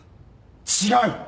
違う！